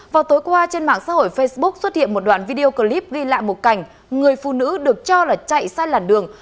vào tối qua trên mạng xã hội facebook xuất hiện một đoạn video clip ghi lại một cảnh người phụ nữ được cho là chạy sai làn đường